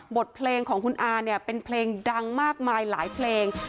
บทเพลงของคุณอาเนี่ยเป็นเพลงดังมากมายหลายเพลง